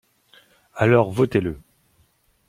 Alors votez-le